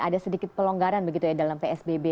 ada sedikit pelonggaran begitu ya dalam psbb